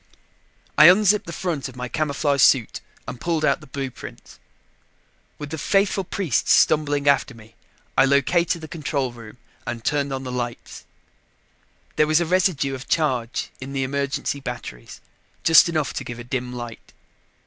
I unzipped the front of my camouflage suit and pulled out the blueprints. With the faithful priests stumbling after me, I located the control room and turned on the lights. There was a residue of charge in the emergency batteries, just enough to give a dim light.